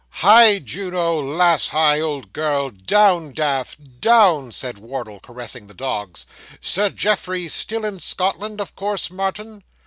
'Hi, Juno, lass hi, old girl; down, Daph, down,' said Wardle, caressing the dogs. 'Sir Geoffrey still in Scotland, of course, Martin?